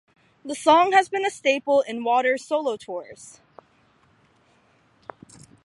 The song has been a staple in Waters' solo tours.